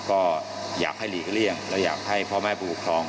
ก็อยากให้หลีกเลี่ยงและอยากให้พ่อแม่ผู้ปกครอง